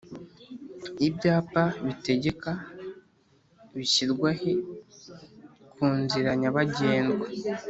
Ibyapa bitegeka bishyirwahe kunzira nyabagendwa